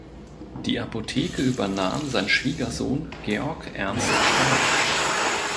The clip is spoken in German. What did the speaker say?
Die Apotheke übernahm sein Schwiegersohn Georg Ernst Stahl.